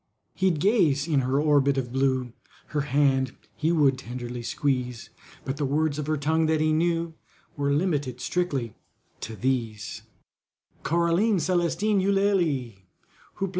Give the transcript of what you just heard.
He'd gaze in her orbit of blue, Her hand he would tenderly squeeze, But the words of her tongue that he knew Were limited strictly to these: "CORALINE CELESTINE EULALIE, Houp là!